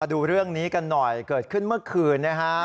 ดูเรื่องนี้กันหน่อยเกิดขึ้นเมื่อคืนนะฮะ